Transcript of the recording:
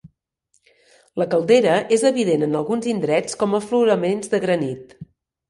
La caldera és evident en alguns indrets com a afloraments de granit.